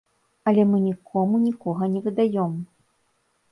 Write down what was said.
Але мы нікому нікога не выдаём.